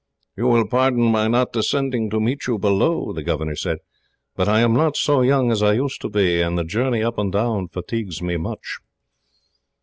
"You will pardon my not descending to meet you below," he said, "but I am not so young as I used to be, and the journey up and down fatigues me much."